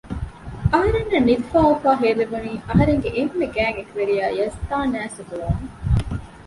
އަހަރެންނަށް ނިދިފައި އޮއްވާ ހޭލެވުނީ އަހަރެންގެ އެންމެ ގާތް އެކުވެރިޔާ ޔަޒްދާން އައިސް ގޮވުމުން